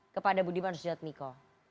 kepada budiman sujadmiko